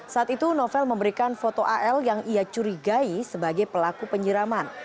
saat itu novel memberikan foto al yang ia curigai sebagai pelaku penyiraman